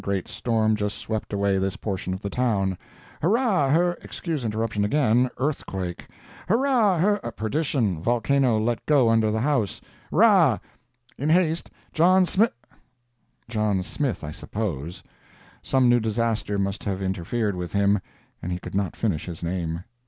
Great storm just swept away this portion of the town.] Hurrah! hur— [Excuse interruption again. Earthquake.] Hurrah! hur— [Perdition! Volcano let go under the house.] rah! In haste. John Smi—. John Smith, I suppose. Some new disaster must have interferred with him, and he could not finish his name.